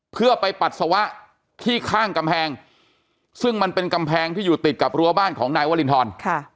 เพื่อไปปัสสาวะที่ข้างกำแพงซึ่งมันเป็นกำแพงที่อยู่ติดกับรั้วบ้านของนายวรินทร